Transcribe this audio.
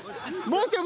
もうちょい。